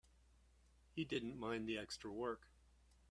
He didn't mind the extra work.